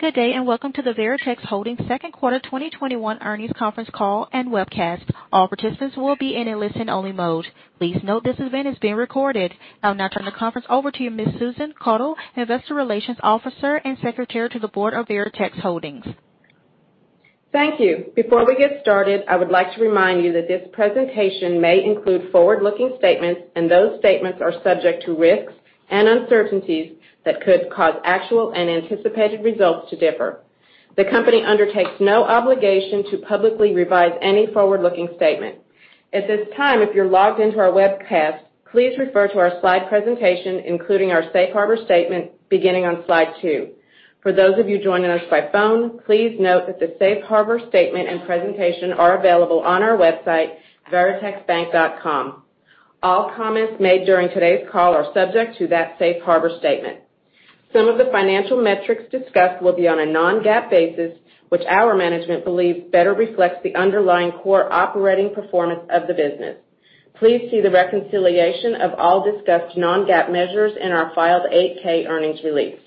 Good day, welcome to the Veritex Holdings second quarter 2021 earnings conference call and webcast. All participants will be in a listen-only mode. Please note this event is being recorded. I will now turn the conference over to you, Ms. Susan Caudle, Investor Relations Officer and Secretary to the Board of Veritex Holdings. Thank you. Before we get started, I would like to remind you that this presentation may include forward-looking statements. Those statements are subject to risks and uncertainties that could cause actual and anticipated results to differ. The company undertakes no obligation to publicly revise any forward-looking statement. At this time, if you're logged into our webcast, please refer to our slide presentation, including our safe harbor statement, beginning on slide two. For those of you joining us by phone, please note that the safe harbor statement and presentation are available on our website, veritexbank.com. All comments made during today's call are subject to that safe harbor statement. Some of the financial metrics discussed will be on a non-GAAP basis, which our management believes better reflects the underlying core operating performance of the business. Please see the reconciliation of all discussed non-GAAP measures in our filed 8-K earnings release.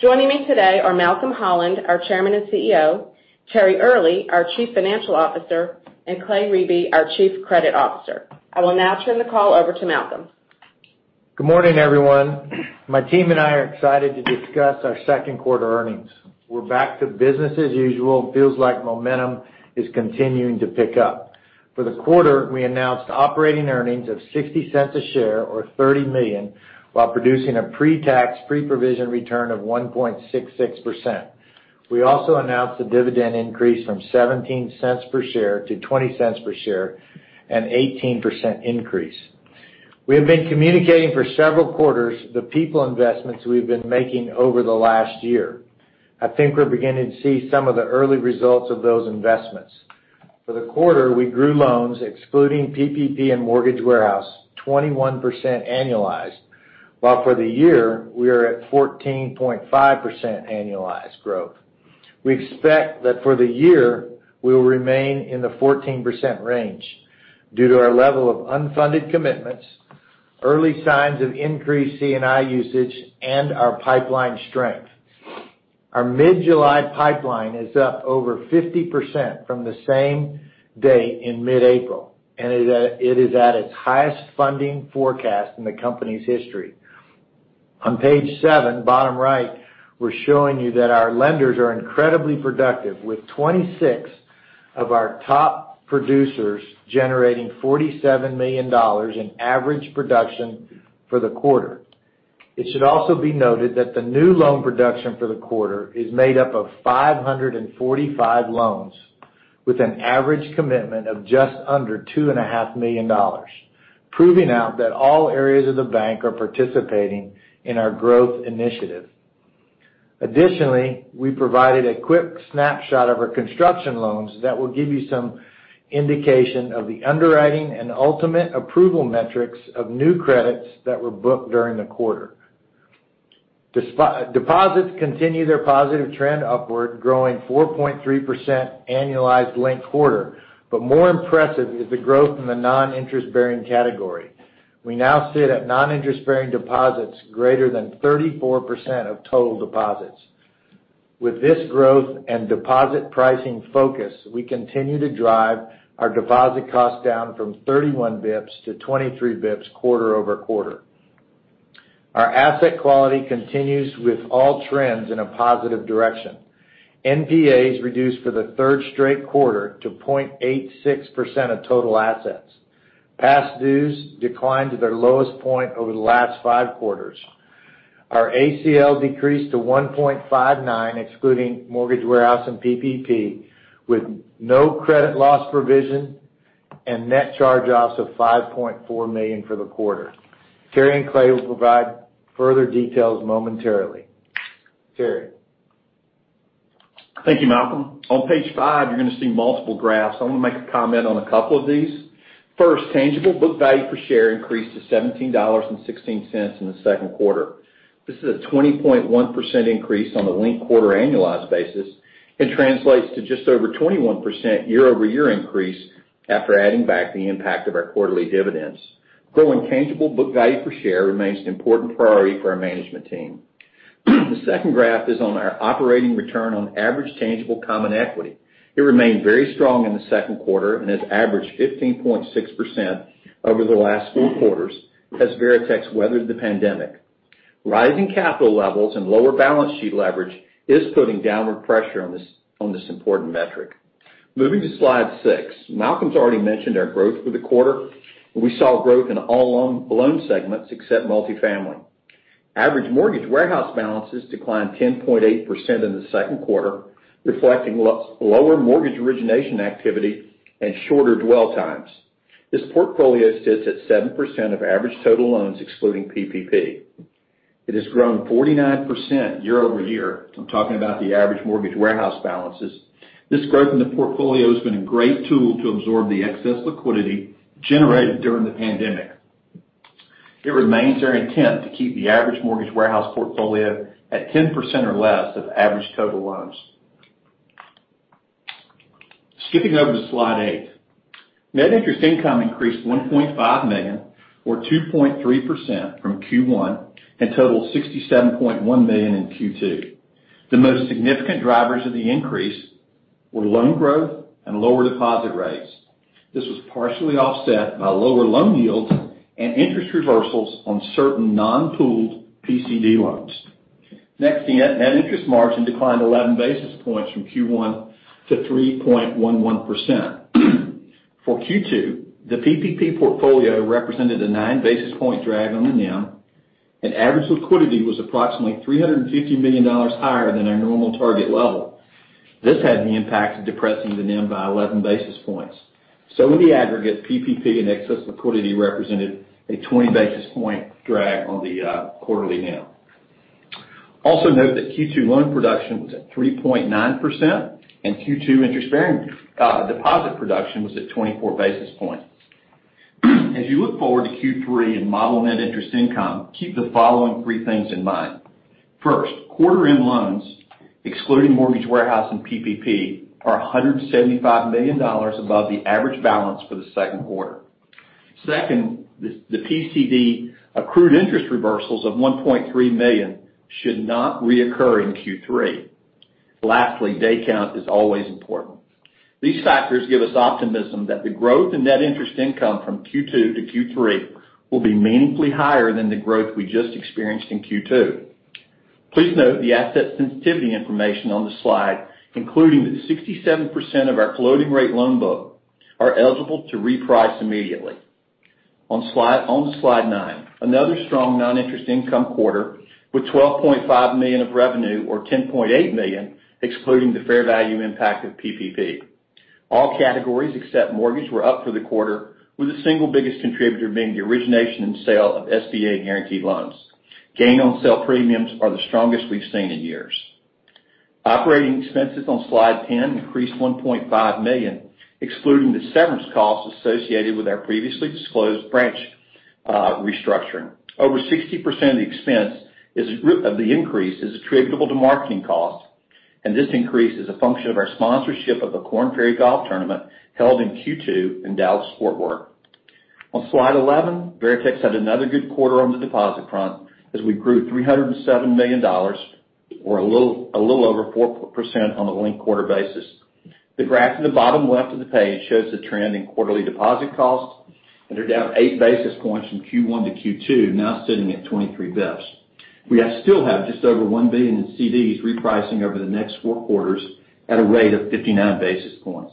Joining me today are Malcolm Holland, our Chairman and CEO, Malcolm Holland, our Chairman and CEO,, and Clay Riebe, our Chief Credit Officer. I will now turn the call over to Malcolm. Good morning, everyone. My team and I are excited to discuss our second quarter earnings. We are back to business as usual. Feels like momentum is continuing to pick up. For the quarter, we announced operating earnings of $0.60 a share or $30 million, while producing a pre-tax, pre-provision return of 1.66%. We also announced a dividend increase from $0.17 per share to $0.20 per share, an 18% increase. We have been communicating for several quarters the people investments we've been making over the last year. I think we are beginning to see some of the early results of those investments. For the quarter, we grew loans, excluding PPP and mortgage warehouse, 21% annualized, while for the year, we are at 14.5% annualized growth. We expect that for the year, we will remain in the 14% range due to our level of unfunded commitments, early signs of increased C&I usage, and our pipeline strength. Our mid-July pipeline is up over 50% from the same date in mid-April, and it is at its highest funding forecast in the company's history. On page seven, bottom right, we're showing you that our lenders are incredibly productive, with 26 of our top producers generating $47 million in average production for the quarter. It should also be noted that the new loan production for the quarter is made up of 545 loans with an average commitment of just under $2.5 million, proving out that all areas of the bank are participating in our growth initiative. Additionally, we provided a quick snapshot of our construction loans that will give you some indication of the underwriting and ultimate approval metrics of new credits that were booked during the quarter. Deposits continue their positive trend upward, growing 4.3% annualized linked quarter. More impressive is the growth in the non-interest-bearing category. We now sit at non-interest-bearing deposits greater than 34% of total deposits. With this growth and deposit pricing focus, we continue to drive our deposit cost down from 31 basis points to 23 basis points quarter-over-quarter. Our asset quality continues with all trends in a positive direction. NPAs reduced for the third straight quarter to 0.86% of total assets. Past dues declined to their lowest point over the last five quarters. Our ACL decreased to 1.59, excluding mortgage warehouse and PPP, with no credit loss provision and net charge-offs of $5.4 million for the quarter. Terry and Clay will provide further details momentarily. Terry. Thank you, Malcolm. On page five, you're going to see multiple graphs. I want to make a comment on a couple of these. First, tangible book value per share increased to $17.16 in the second quarter. This is a 20.1% increase on a linked-quarter annualized basis and translates to just over 21% year-over-year increase after adding back the impact of our quarterly dividends. Growing tangible book value per share remains an important priority for our management team. The second graph is on our operating return on average tangible common equity. It remained very strong in the second quarter and has averaged 15.6% over the last four quarters as Veritex weathered the pandemic. Rising capital levels and lower balance sheet leverage is putting downward pressure on this important metric. Moving to slide six. Malcolm's already mentioned our growth for the quarter. We saw growth in all loan segments except multifamily. Average mortgage warehouse balances declined 10.8% in the second quarter, reflecting lower mortgage origination activity and shorter dwell times. This portfolio sits at 7% of average total loans, excluding PPP. It has grown 49% year-over-year. I'm talking about the average mortgage warehouse balances. This growth in the portfolio has been a great tool to absorb the excess liquidity generated during the pandemic. It remains our intent to keep the average mortgage warehouse portfolio at 10% or less of average total loans. Skipping over to slide eight. Net interest income increased $1.5 million or 2.3% from Q1 and totaled $67.1 million in Q2. The most significant drivers of the increase were loan growth and lower deposit rates. This was partially offset by lower loan yields and interest reversals on certain non-pooled PCD loans. Next, the net interest margin declined 11 basis points from Q1 to 3.11%. For Q2, the PPP portfolio represented a nine basis point drag on the NIM, and average liquidity was approximately $350 million higher than our normal target level. This had the impact of depressing the NIM by 11 basis points. In the aggregate, PPP and excess liquidity represented a 20 basis point drag on the quarterly NIM. Also note that Q2 loan production was at 3.9%, and Q2 interest deposit production was at 24 basis points. As you look forward to Q3 and model net interest income, keep the following three things in mind. First, quarter end loans, excluding mortgage warehouse and PPP, are $175 million above the average balance for the second quarter. Second, the PCD accrued interest reversals of $1.3 million should not reoccur in Q3. Lastly, day count is always important. These factors give us optimism that the growth in net interest income from Q2 to Q3 will be meaningfully higher than the growth we just experienced in Q2. Please note the asset sensitivity information on the slide, including that 67% of our floating rate loan book are eligible to reprice immediately. On to slide nine. Another strong non-interest income quarter with $12.5 million of revenue or $10.8 million excluding the fair value impact of PPP. All categories except mortgage were up for the quarter, with the single biggest contributor being the origination and sale of SBA guaranteed loans. Gain on sale premiums are the strongest we've seen in years. Operating expenses on slide 10 increased $1.5 million, excluding the severance costs associated with our previously disclosed branch restructuring. Over 60% of the increase is attributable to marketing costs, and this increase is a function of our sponsorship of the Korn Ferry Golf Tournament held in Q2 in Dallas, Fort Worth. On slide 11, Veritex had another good quarter on the deposit front as we grew $307 million or a little over 4% on a linked quarter basis. The graph in the bottom left of the page shows the trend in quarterly deposit costs, and they're down eight basis points from Q1 to Q2, now sitting at 23 basis points. We still have just over $1 billion in CDs repricing over the next 4 quarters at a rate of 59 basis points.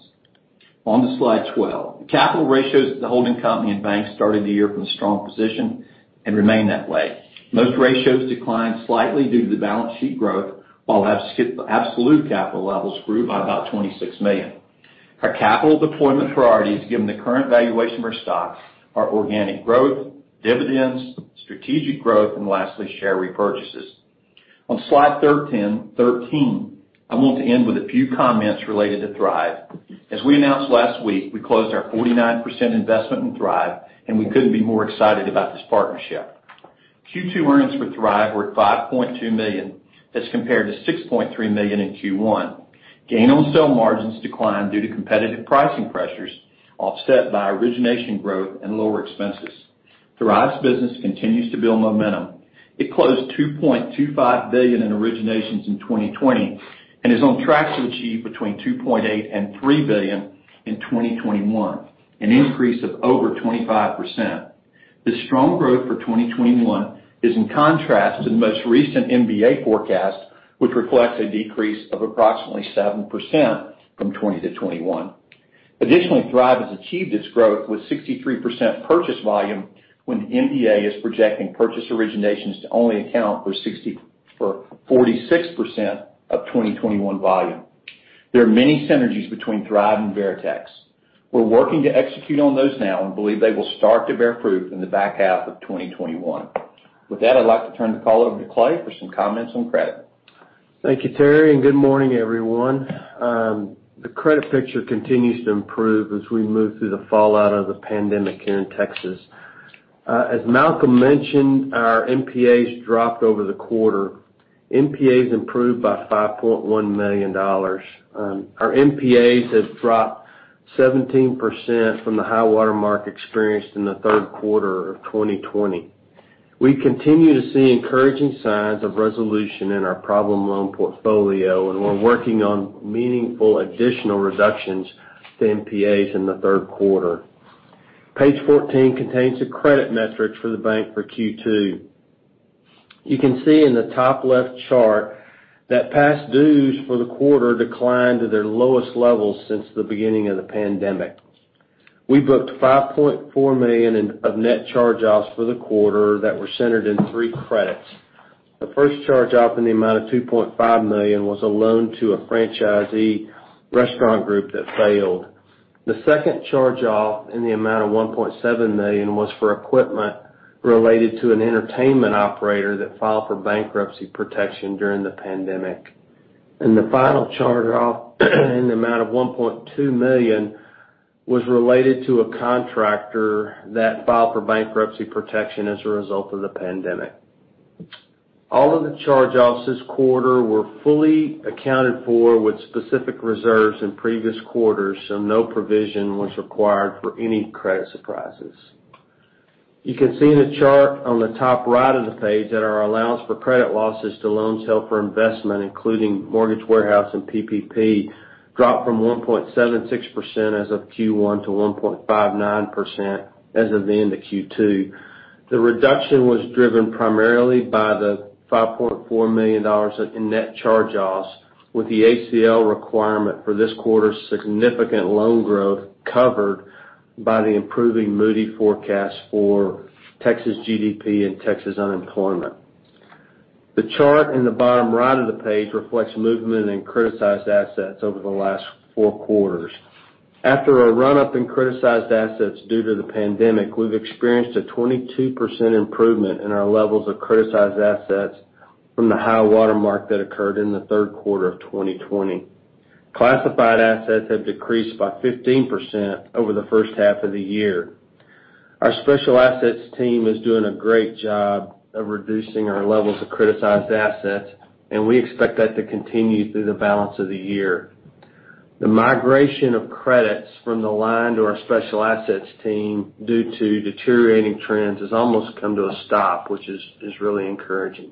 On to slide 12. Capital ratios at the holding company and bank started the year from a strong position and remain that way. Most ratios declined slightly due to the balance sheet growth, while absolute capital levels grew by about $26 million. Our capital deployment priorities, given the current valuation of our stock, are organic growth, dividends, strategic growth, and lastly, share repurchases. On slide 13, I want to end with a few comments related to Thrive. As we announced last week, we closed our 49% investment in Thrive, and we couldn't be more excited about this partnership. Q2 earnings for Thrive were at $5.2 million as compared to $6.3 million in Q1. Gain on sale margins declined due to competitive pricing pressures offset by origination growth and lower expenses. Thrive's business continues to build momentum. It closed $2.25 billion in originations in 2020 and is on track to achieve between $2.8 billion and $3 billion in 2021, an increase of over 25%. The strong growth for 2021 is in contrast to the most recent MBA forecast, which reflects a decrease of approximately 7% from 2020 to 2021. Additionally, Thrive has achieved its growth with 63% purchase volume when the MBA is projecting purchase originations to only account for 46% of 2021 volume. There are many synergies between Thrive and Veritex. We're working to execute on those now and believe they will start to bear fruit in the back half of 2021. With that, I'd like to turn the call over to Clay for some comments on credit. Thank you, Terry. Good morning, everyone. The credit picture continues to improve as we move through the fallout of the pandemic here in Texas. As Malcolm mentioned, our NPAs dropped over the quarter. NPAs improved by $5.1 million. Our NPAs have dropped 17% from the high water mark experienced in the third quarter of 2020. We continue to see encouraging signs of resolution in our problem loan portfolio. We're working on meaningful additional reductions to NPAs in the third quarter. Page 14 contains the credit metrics for the bank for Q2. You can see in the top left chart that past dues for the quarter declined to their lowest levels since the beginning of the pandemic. We booked $5.4 million of net charge-offs for the quarter that were centered in three credits. The first charge-off in the amount of $2.5 million was a loan to a franchisee restaurant group that failed. The second charge-off in the amount of $1.7 million was for equipment related to an entertainment operator that filed for bankruptcy protection during the pandemic. The final charge-off in the amount of $1.2 million was related to a contractor that filed for bankruptcy protection as a result of the pandemic. All of the charge-offs this quarter were fully accounted for with specific reserves in previous quarters, so no provision was required for any credit surprises. You can see in the chart on the top right of the page that our allowance for credit losses to loans held for investment, including mortgage warehouse and PPP, dropped from 1.76% as of Q1 to 1.59% as of the end of Q2. The reduction was driven primarily by the $5.4 million in net charge-offs, with the ACL requirement for this quarter's significant loan growth covered by the improving Moody's forecast for Texas GDP and Texas unemployment. The chart in the bottom right of the page reflects movement in criticized assets over the last four quarters. After a run-up in criticized assets due to the pandemic, we've experienced a 22% improvement in our levels of criticized assets from the high water mark that occurred in the third quarter of 2020. Classified assets have decreased by 15% over the first half of the year. Our special assets team is doing a great job of reducing our levels of criticized assets, and we expect that to continue through the balance of the year. The migration of credits from the line to our special assets team due to deteriorating trends has almost come to a stop, which is really encouraging.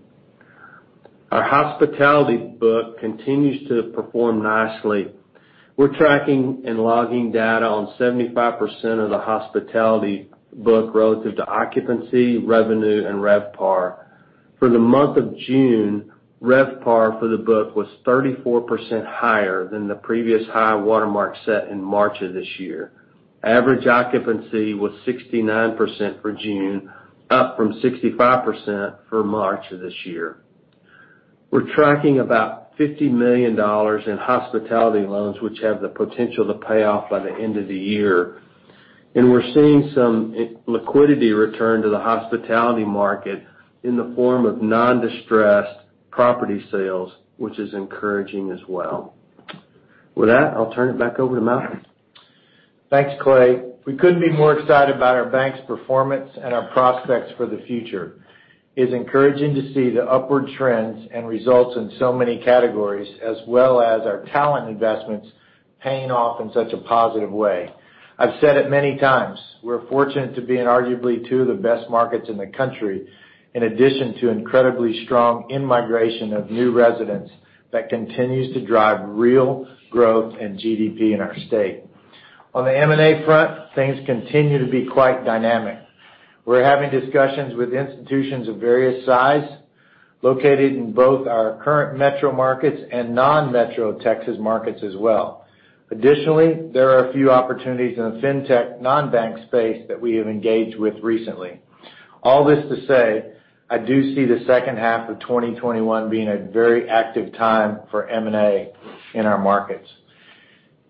Our hospitality book continues to perform nicely. We're tracking and logging data on 75% of the hospitality book relative to occupancy, revenue, and RevPAR. For the month of June, RevPAR for the book was 34% higher than the previous high watermark set in March of this year. Average occupancy was 69% for June, up from 65% for March of this year. We're tracking about $50 million in hospitality loans, which have the potential to pay off by the end of the year. We're seeing some liquidity return to the hospitality market in the form of non-distressed property sales, which is encouraging as well. With that, I'll turn it back over to Matt. Thanks, Clay. We couldn't be more excited about our bank's performance and our prospects for the future. It's encouraging to see the upward trends and results in so many categories, as well as our talent investments paying off in such a positive way. I've said it many times, we're fortunate to be in arguably two of the best markets in the country, in addition to incredibly strong in-migration of new residents that continues to drive real growth and GDP in our state. On the M&A front, things continue to be quite dynamic. We're having discussions with institutions of various size, located in both our current metro markets and non-metro Texas markets as well. Additionally, there are a few opportunities in the fintech non-bank space that we have engaged with recently. All this to say, I do see the second half of 2021 being a very active time for M&A in our markets.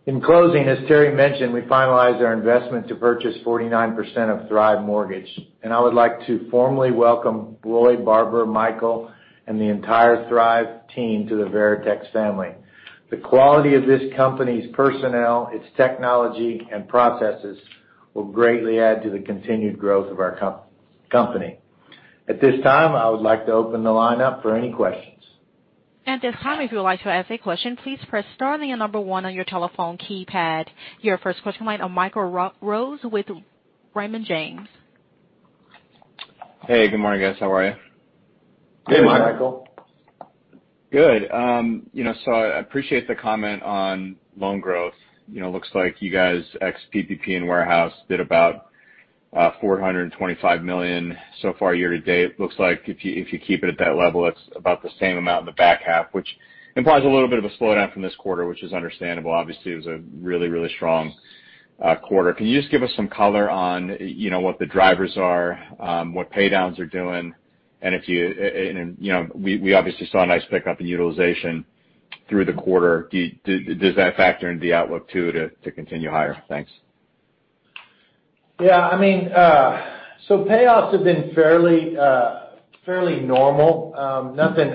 In closing, as Terry mentioned, we finalized our investment to purchase 49% of Thrive Mortgage, and I would like to formally welcome Roy, Barbara, Michael, and the entire Thrive team to the Veritex family. The quality of this company's personnel, its technology and processes, will greatly add to the continued growth of our company. At this time, I would like to open the line up for any questions. Your first question line on Michael Rose with Raymond James. Hey, good morning, guys. How are you? Hey, Michael. Hey, Michael. Good. I appreciate the comment on loan growth. Looks like you guys, ex-PPP and warehouse, did about $425 million so far year to date. Looks like if you keep it at that level, it's about the same amount in the back half, which implies a little bit of a slowdown from this quarter, which is understandable. Obviously, it was a really strong quarter. Can you just give us some color on what the drivers are, what paydowns are doing? We obviously saw a nice pickup in utilization through the quarter. Does that factor into the outlook, too, to continue higher? Thanks. Yeah. Payoffs have been fairly normal. Nothing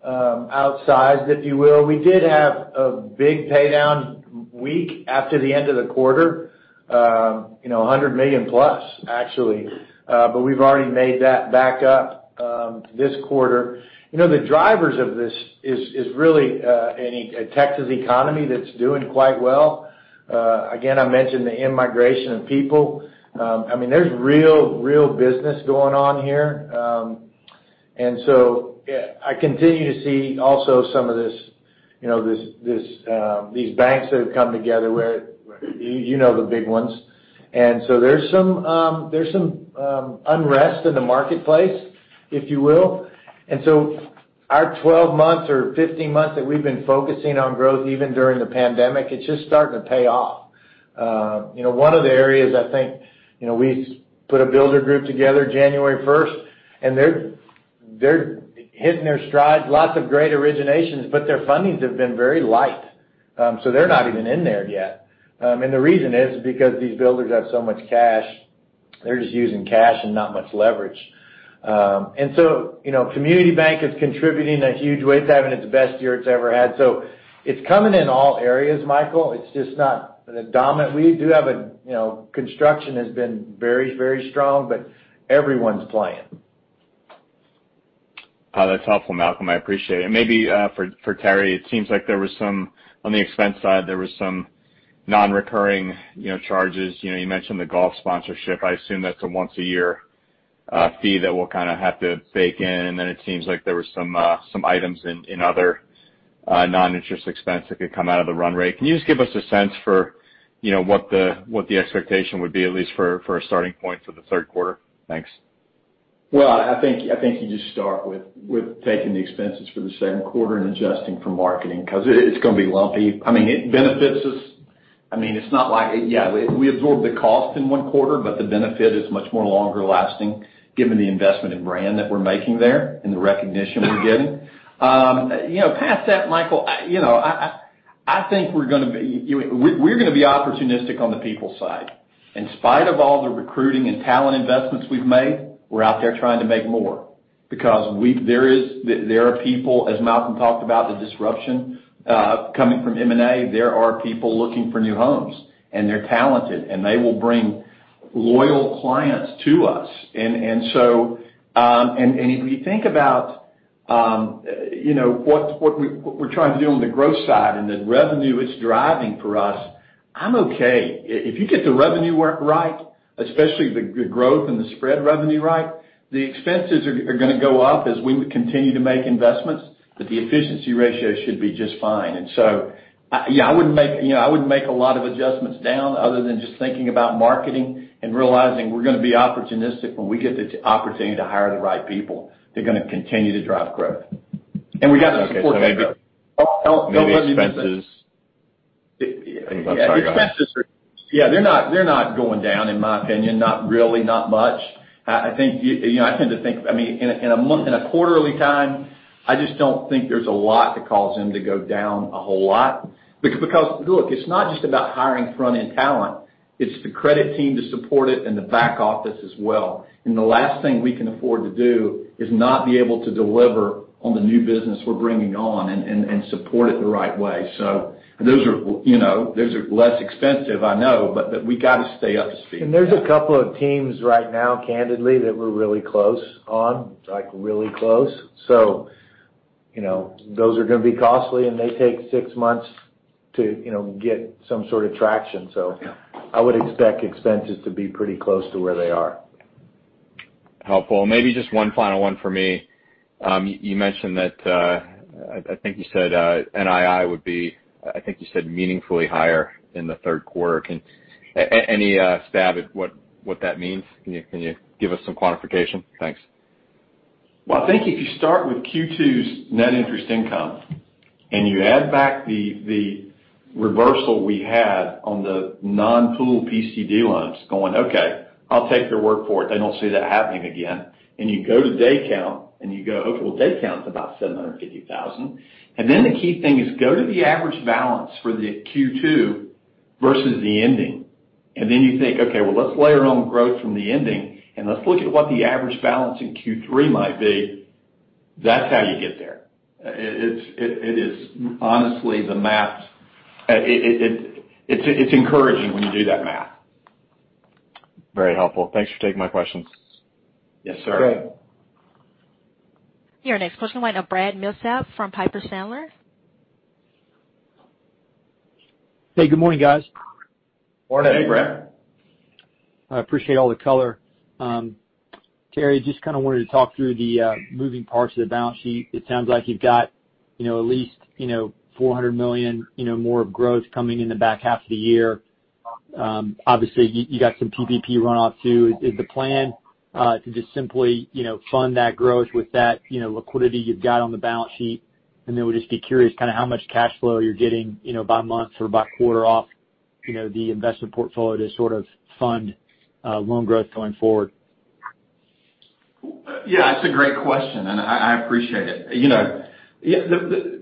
outsized, if you will. We did have a big paydown week after the end of the quarter. $100 million-plus, actually. We've already made that back up this quarter. The drivers of this is really a Texas economy that's doing quite well. Again, I mentioned the in-migration of people. There's real business going on here. I continue to see also some of these banks that have come together, you know, the big ones. There's some unrest in the marketplace, if you will. Our 12 months or 15 months that we've been focusing on growth, even during the pandemic, it's just starting to pay off. One of the areas, I think, we put a builder group together January 1st, and they're hitting their stride. Lots of great originations, but their fundings have been very light. They're not even in there yet. The reason is because these builders have so much cash. They're just using cash and not much leverage. Community Bank is contributing a huge way. It's having its best year it's ever had. It's coming in all areas, Michael. It's just not dominant. Construction has been very strong, but everyone's playing. That's helpful, Malcolm. I appreciate it. Maybe for Terry, it seems like on the expense side, there was some non-recurring charges. You mentioned the golf sponsorship. I assume that's a once a year fee that we'll kind of have to bake in. It seems like there was some items in other non-interest expense that could come out of the run rate. Can you just give us a sense for what the expectation would be, at least for a starting point for the third quarter? Thanks. I think you just start with taking the expenses for the second quarter and adjusting for marketing because it's going to be lumpy. It benefits us. We absorb the cost in one quarter, but the benefit is much more longer lasting given the investment in brand that we're making there and the recognition we're getting. Past that, Michael, we're going to be opportunistic on the people side. In spite of all the recruiting and talent investments we've made, we're out there trying to make more because there are people, as Malcolm talked about, the disruption coming from M&A. There are people looking for new homes, and they're talented, and they will bring loyal clients to us. If you think about what we're trying to do on the growth side and the revenue it's driving for us, I'm okay. If you get the revenue work right, especially the growth and the spread revenue right, the expenses are going to go up as we continue to make investments, but the efficiency ratio should be just fine. I wouldn't make a lot of adjustments down other than just thinking about marketing and realizing we're going to be opportunistic when we get the opportunity to hire the right people. They're going to continue to drive growth. We've got the support. Okay. Don't let me miss it. Maybe expenses. I'm sorry, go ahead. Expenses, yeah, they're not going down, in my opinion. Not really, not much. In a quarterly time, I just don't think there's a lot to cause them to go down a whole lot. Look, it's not just about hiring front-end talent. It's the credit team to support it and the back office as well. The last thing we can afford to do is not be able to deliver on the new business we're bringing on and support it the right way. Those are less expensive, I know, but we got to stay up to speed. There's a couple of teams right now, candidly, that we're really close on, like really close. Those are going to be costly, and they take six months to get some sort of traction. I would expect expenses to be pretty close to where they are. Helpful. Maybe just one final one for me. You mentioned that, I think you said NII would be, I think you said meaningfully higher in the third quarter. Any stab at what that means? Can you give us some quantification? Thanks. Well, I think if you start with Q2's net interest income and you add back the reversal we had on the non-pool PCD loans going, okay, I'll take your word for it. I don't see that happening again. You go to day count, and you go, okay, well, day count's about 750,000. The key thing is go to the average balance for the Q2 versus the ending. You think, okay, well, let's layer on growth from the ending, and let's look at what the average balance in Q3 might be. That's how you get there. It's encouraging when you do that math. Very helpful. Thanks for taking my questions. Yes, sir. Good. Your next question line, Brad Milsaps from Piper Sandler. Hey, good morning, guys. Morning, Brad. Hey. I appreciate all the color. Terry, just kind of wanted to talk through the moving parts of the balance sheet. It sounds like you've got at least $400 million more of growth coming in the back half of the year. Obviously, you got some PPP runoff too. Is the plan to just simply fund that growth with that liquidity you've got on the balance sheet? Then would just be curious kind of how much cash flow you're getting by month or by quarter off the investment portfolio to sort of fund loan growth going forward. Yeah, that's a great question, and I appreciate it.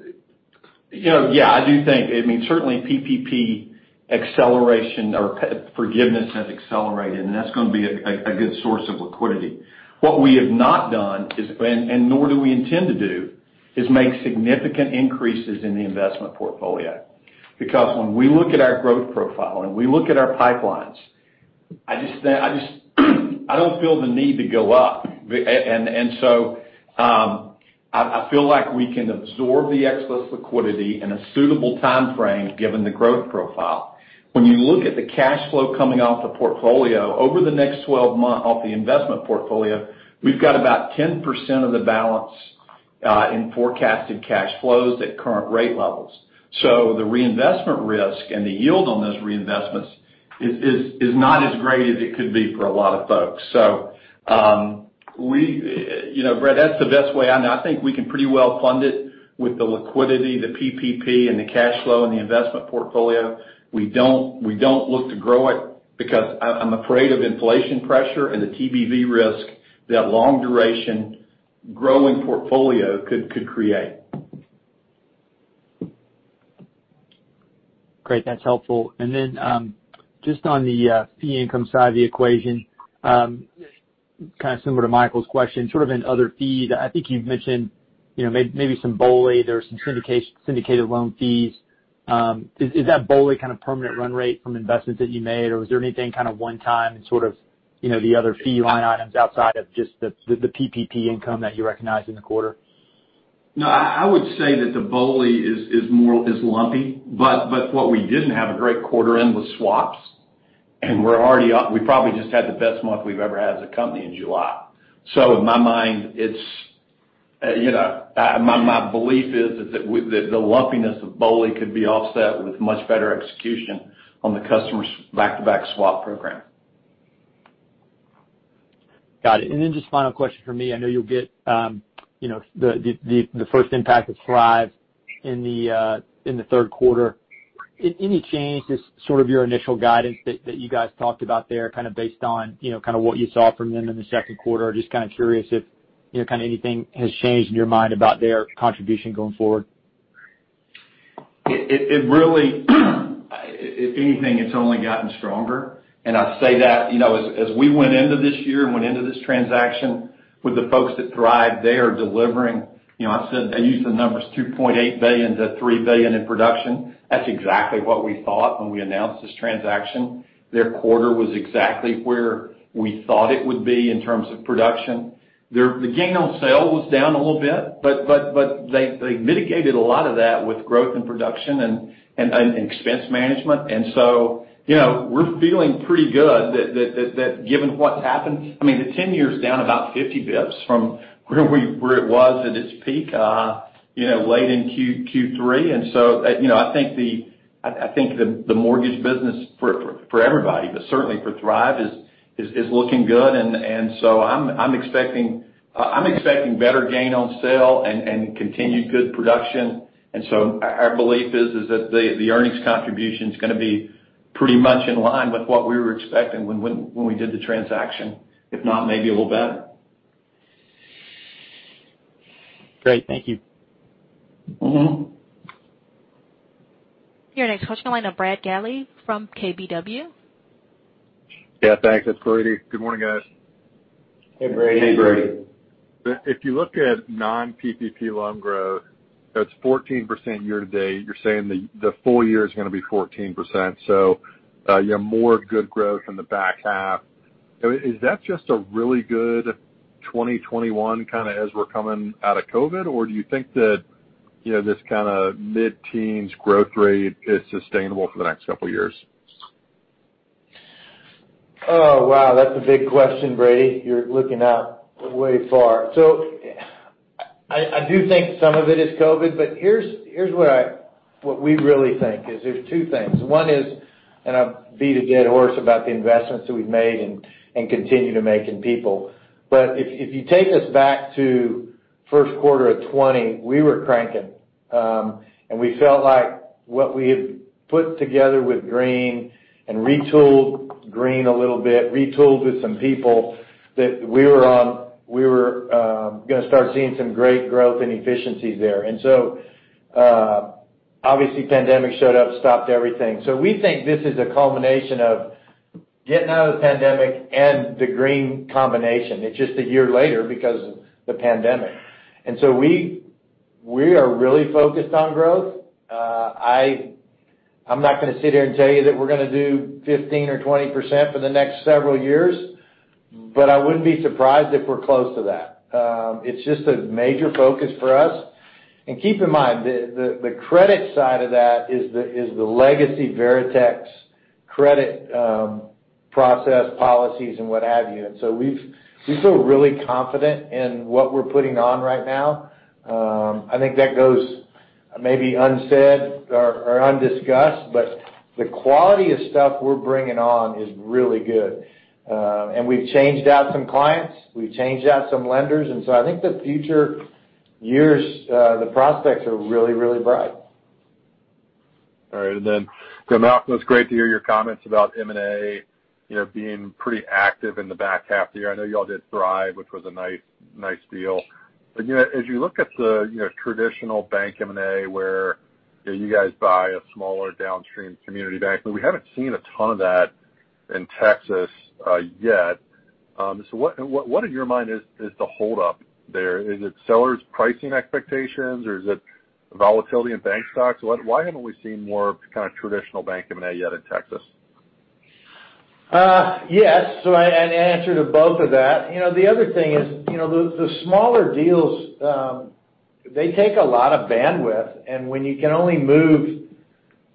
I do think, certainly PPP acceleration or forgiveness has accelerated, and that's going to be a good source of liquidity. What we have not done, and nor do we intend to do, is make significant increases in the investment portfolio. When we look at our growth profile and we look at our pipelines, I don't feel the need to go up. I feel like we can absorb the excess liquidity in a suitable time frame given the growth profile. When you look at the cash flow coming off the portfolio over the next 12 months off the investment portfolio, we've got about 10% of the balance in forecasted cash flows at current rate levels. The reinvestment risk and the yield on those reinvestments is not as great as it could be for a lot of folks. Brad, that's the best way I know. I think we can pretty well fund it with the liquidity, the PPP, and the cash flow, and the investment portfolio. We don't look to grow it because I'm afraid of inflation pressure and the TBV risk that long duration growing portfolio could create. Great. That's helpful. Just on the fee income side of the equation, kind of similar to Michael's question, sort of in other fees, I think you've mentioned maybe some BOLI there or some syndicated loan fees. Is that BOLI kind of permanent run rate from investments that you made, or was there anything kind of one time and sort of the other fee line items outside of just the PPP income that you recognized in the quarter? No, I would say that the BOLI is lumpy, but what we didn't have a great quarter in was swaps, and we probably just had the best month we've ever had as a company in July. In my mind, my belief is that the lumpiness of BOLI could be offset with much better execution on the customers' back-to-back swap program. Got it. Just final question from me. I know you'll get the first impact of Thrive in the third quarter. Any change to sort of your initial guidance that you guys talked about there, kind of based on what you saw from them in the second quarter? Just kind of curious if anything has changed in your mind about their contribution going forward. If anything, it's only gotten stronger, and I say that, as we went into this year and went into this transaction with the folks at Thrive, they are delivering. I said they used the numbers $2.8 billion-$3 billion in production. That's exactly what we thought when we announced this transaction. Their quarter was exactly where we thought it would be in terms of production. The gain on sale was down a little bit, but they mitigated a lot of that with growth in production and expense management. We're feeling pretty good that given what's happened, I mean, the 10-year is down about 50 basis points from where it was at its peak late in Q3. I think the mortgage business for everybody, but certainly for Thrive, is looking good. I'm expecting better gain on sale and continued good production. Our belief is that the earnings contribution's going to be pretty much in line with what we were expecting when we did the transaction, if not, maybe a little better. Great. Thank you. Your next question line, a Brady Gailey from KBW. Yeah, thanks. It's Brady. Good morning, guys. Hey, Brady. Hey, Brady. If you look at non-PPP loan growth, that's 14% year to date. You're saying the full year is going to be 14%. You have more good growth in the back half. Is that just a really good 2021 kind of as we're coming out of COVID, or do you think that this kind of mid-teens growth rate is sustainable for the next couple of years? Oh, wow, that's a big question, Brady. You're looking out way far. I do think some of it is COVID, but here's what we really think, is there's two things. One is, I beat a dead horse about the investments that we've made and continue to make in people. If you take us back to first quarter of 2020, we were cranking. We felt like what we had put together with Green and retooled Green a little bit, retooled with some people, that we were going to start seeing some great growth and efficiencies there. Obviously, pandemic showed up, stopped everything. We think this is a culmination of getting out of the pandemic and the Green combination. It's just a year later because of the pandemic. We are really focused on growth. I'm not going to sit here and tell you that we're going to do 15% or 20% for the next several years, but I wouldn't be surprised if we're close to that. It's just a major focus for us. Keep in mind, the credit side of that is the legacy Veritex credit process policies and what have you. So we feel really confident in what we're putting on right now. I think that goes maybe unsaid or undiscussed, but the quality of stuff we're bringing on is really good. We've changed out some clients, we've changed out some lenders, and so I think the future years, the prospects are really, really bright. All right. Malcolm, it's great to hear your comments about M&A being pretty active in the back half of the year. I know you all did Thrive, which was a nice deal. As you look at the traditional bank M&A where you guys buy a smaller downstream community bank, but we haven't seen a ton of that in Texas yet. What in your mind is the hold-up there? Is it sellers' pricing expectations, or is it volatility in bank stocks? Why haven't we seen more kind of traditional bank M&A yet in Texas? Yes. An answer to both of that. The other thing is the smaller deals, they take a lot of bandwidth, and when you can only move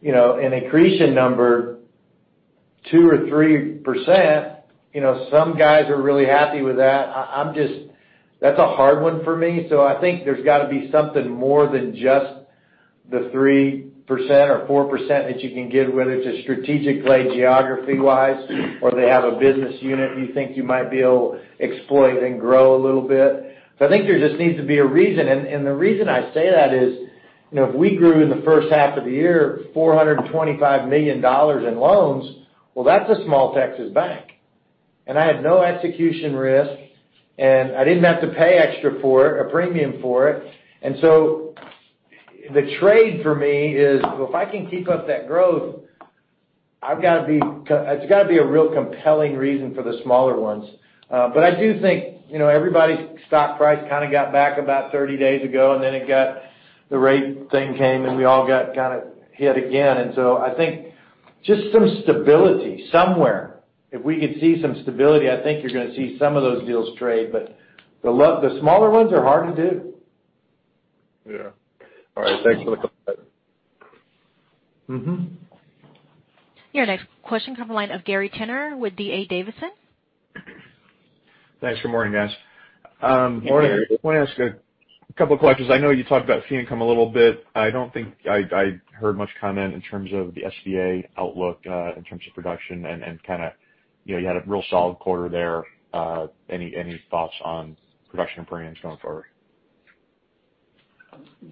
an accretion number 2% or 3%, some guys are really happy with that. That's a hard one for me. I think there's got to be something more than just the 3% or 4% that you can get, whether it's a strategic play geography-wise or they have a business unit you think you might be able to exploit and grow a little bit. I think there just needs to be a reason. The reason I say that is, if we grew in the first half of the year $425 million in loans, well, that's a small Texas bank. I had no execution risk, and I didn't have to pay extra for it, a premium for it. The trade for me is, if I can keep up that growth, it's got to be a real compelling reason for the smaller ones. I do think everybody's stock price kind of got back about 30 days ago, and then the rate thing came, and we all got hit again. I think just some stability somewhere. If we could see some stability, I think you're going to see some of those deals trade, but the smaller ones are hard to do. Yeah. All right, thanks for the call. Your next question come the line of Gary Tenner with D.A. Davidson. Thanks. Good morning, guys. Good morning, Gary. I want to ask a couple questions. I know you talked about fee income a little bit. I don't think I heard much comment in terms of the SBA outlook, in terms of production and you had a real solid quarter there. Any thoughts on production and premiums going forward?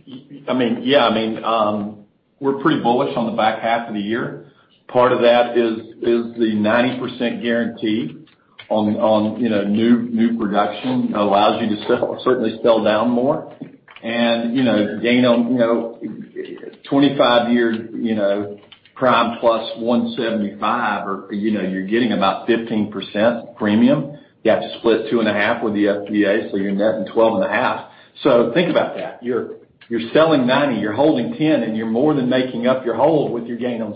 Yeah. We're pretty bullish on the back half of the year. Part of that is the 90% guarantee on new production allows you to certainly sell down more and gain on 25-year prime plus 175, or you're getting about 15% premium. You have to split 2.5 with the SBA, you're netting 12.5. Think about that. You're selling 90, you're holding 10, you're more than making up your hold with your gain on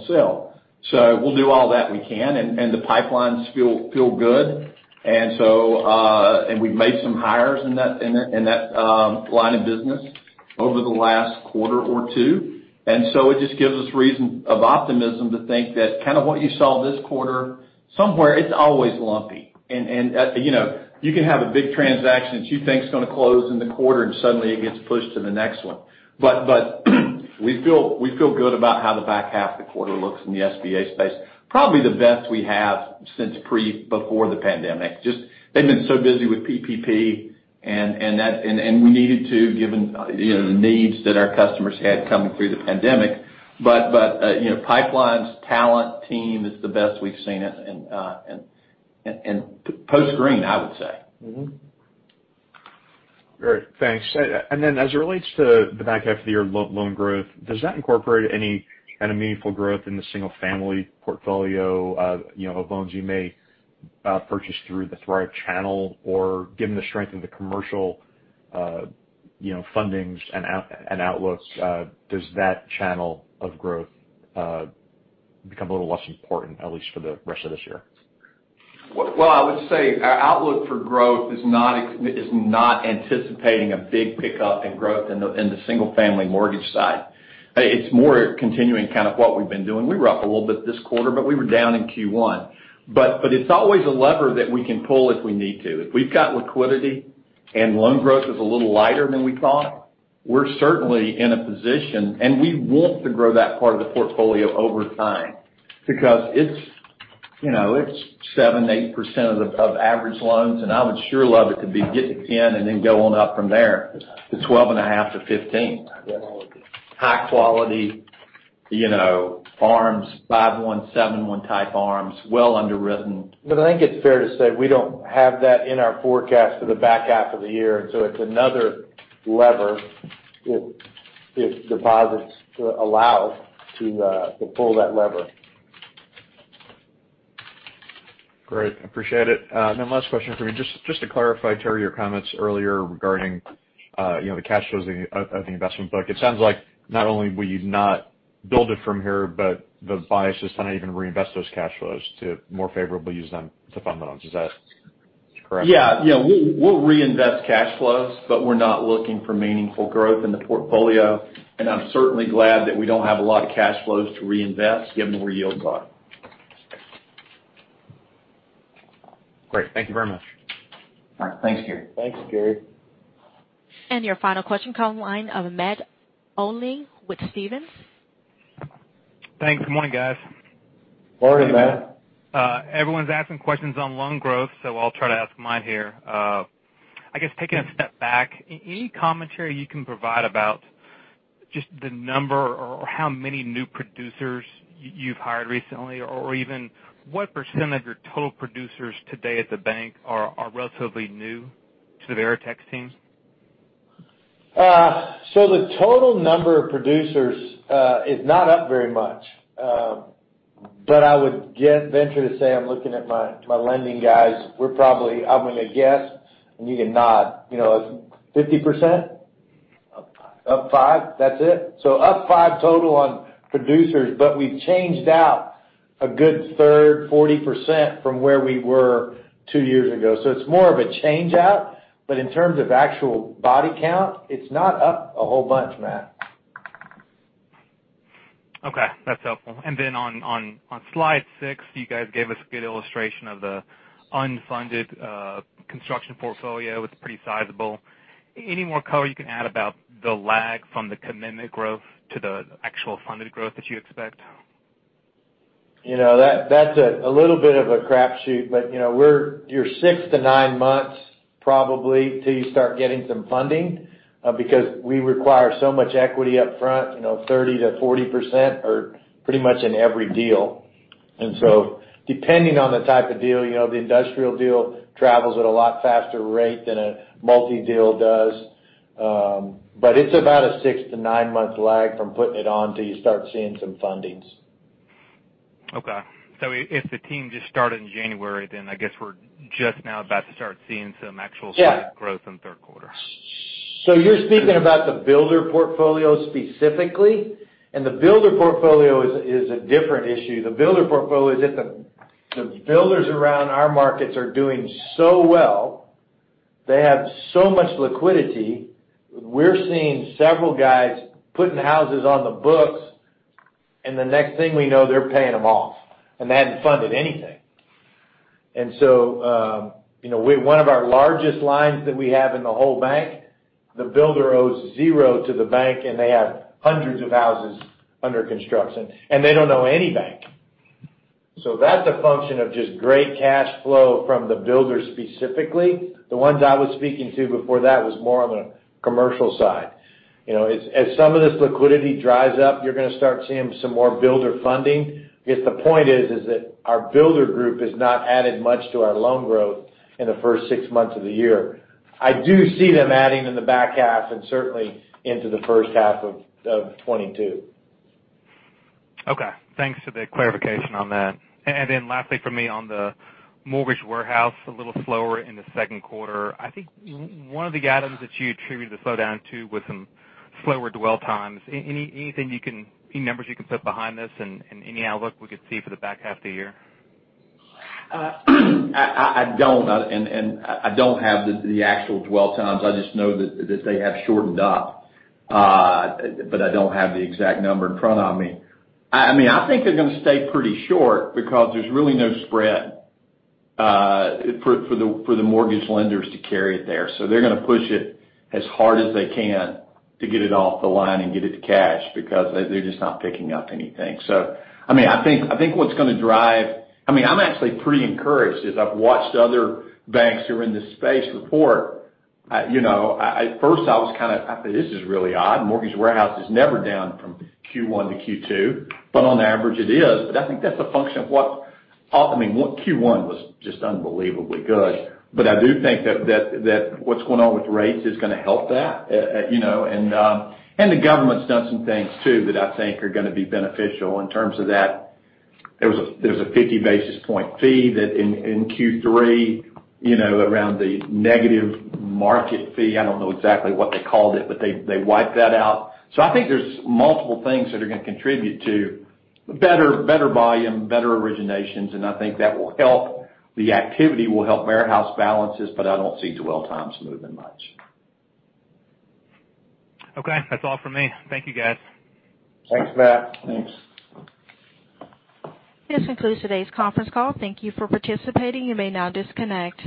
sell. We'll do all that we can, the pipelines feel good. We've made some hires in that line of business over the last quarter or two. It just gives us reason of optimism to think that kind of what you saw this quarter, somewhere, it's always lumpy. You can have a big transaction that you think is going to close in the quarter, and suddenly it gets pushed to the next one. We feel good about how the back half of the quarter looks in the SBA space. Probably the best we have since before the pandemic. Just, they've been so busy with PPP, and we needed to, given the needs that our customers had coming through the pandemic. Pipelines, talent, team, is the best we've seen it, and post-Green, I would say. Mm-hmm. Great, thanks. Then as it relates to the back half of the year loan growth, does that incorporate any kind of meaningful growth in the single-family portfolio of loans you may purchase through the Thrive channel? Or given the strength in the commercial fundings and outlooks, does that channel of growth become a little less important, at least for the rest of this year? Well, I would say our outlook for growth is not anticipating a big pickup in growth in the single-family mortgage side. It's more continuing kind of what we've been doing. We were up a little bit this quarter, but we were down in Q1. It's always a lever that we can pull if we need to. If we've got liquidity and loan growth is a little lighter than we thought, we're certainly in a position, and we want to grow that part of the portfolio over time because it's 7%, 8% of average loans, and I would sure love it to be getting 10 and then going up from there to 12 and a half to 15. High quality ARMs, 5/1 and 7/1 type ARMs, well underwritten. I think it's fair to say we don't have that in our forecast for the back half of the year, and so it's another lever, if deposits allow, to pull that lever. Great. Appreciate it. Last question for me, just to clarify, Terry, your comments earlier regarding the cash flows of the investment book. It sounds like not only will you not build it from here, but the bias is to not even reinvest those cash flows, to more favorably use them to fund loans. Is that correct? Yeah. We'll reinvest cash flows, but we're not looking for meaningful growth in the portfolio. I'm certainly glad that we don't have a lot of cash flows to reinvest given where yields are. Great. Thank you very much. All right. Thanks, Gary. Thanks, Gary. Your final question, call line of Matt Olney with Stephens. Thanks. Good morning, guys. Morning, Matt. Everyone's asking questions on loan growth. I'll try to ask mine here. I guess taking a step back, any commentary you can provide about just the number or how many new producers you've hired recently, or even what % of your total producers today at the bank are relatively new to the Veritex team? The total number of producers is not up very much. I would venture to say, I'm looking at my lending guys, we're probably, I'm going to guess, and you can nod, 50%? Up five. Up five. That's it. Up five total on producers, but we've changed out a good third, 40% from where we were two years ago. It's more of a change out. In terms of actual body count, it's not up a whole bunch, Matt. Okay, that's helpful. On slide six, you guys gave us a good illustration of the unfunded construction portfolio. It's pretty sizable. Any more color you can add about the lag from the commitment growth to the actual funded growth that you expect? That's a little bit of a crap shoot. You're 6-9 months, probably, till you start getting some funding, because we require so much equity up front, 30%-40% are pretty much in every deal. Depending on the type of deal, the industrial deal travels at a lot faster rate than a multi-deal does. It's about a 6-9 month lag from putting it on till you start seeing some fundings. Okay. If the team just started in January, I guess we're just now about to start. Yeah growth in the third quarter. You're speaking about the builder portfolio specifically, and the builder portfolio is a different issue. The builder portfolio is that the builders around our markets are doing so well. They have so much liquidity. We're seeing several guys putting houses on the books, and the next thing we know, they're paying them off, and they hadn't funded anything. One of our largest lines that we have in the whole bank, the builder owes zero to the bank, and they have hundreds of houses under construction. They don't owe any bank. That's a function of just great cash flow from the builders specifically. The ones I was speaking to before that was more on the commercial side. As some of this liquidity dries up, you're going to start seeing some more builder funding because the point is that our builder group has not added much to our loan growth in the first six months of the year. I do see them adding in the back half and certainly into the first half of 2022. Okay. Thanks for the clarification on that. Lastly for me on the mortgage warehouse, a little slower in the second quarter. I think one of the items that you attributed the slowdown to was some slower dwell times. Any numbers you can put behind this, and any outlook we could see for the back half of the year? I don't. I don't have the actual dwell times. I just know that they have shortened up. I don't have the exact number in front of me. I think they're going to stay pretty short because there's really no spread for the mortgage lenders to carry it there. They're going to push it as hard as they can to get it off the line and get it to cash because they're just not picking up anything. I think what's going to drive I'm actually pretty encouraged as I've watched other banks who are in this space report. At first, I was kind of, this is really odd. Mortgage warehouse is never down from Q1 to Q2. On average, it is. I think that's a function of what Q1 was just unbelievably good. I do think that what's going on with rates is going to help that. The government's done some things too that I think are going to be beneficial in terms of that. There was a 50 basis point fee in Q3 around the negative market fee. I don't know exactly what they called it, but they wiped that out. I think there's multiple things that are going to contribute to better volume, better originations, and I think that will help. The activity will help warehouse balances, but I don't see dwell times moving much. Okay. That's all from me. Thank you, guys. Thanks, Matt. Thanks. This concludes today's conference call. Thank you for participating. You may now disconnect.